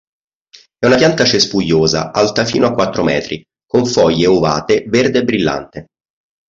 È una pianta cespugliosa alta fino a quattro metri, con foglie ovate verde brillante.